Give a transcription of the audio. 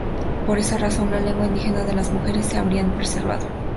Por esa razón la lengua indígena de las mujeres se habría preservado.